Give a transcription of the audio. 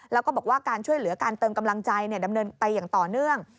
แล้วก็บอกว่าการช่วยเหลือการเติมกำลังใจดำเนินไปอย่างต่อเนื่อง